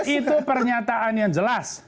itu pernyataan yang jelas